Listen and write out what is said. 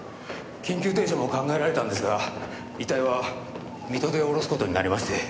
緊急停車も考えられたんですが遺体は水戸で下ろす事になりまして。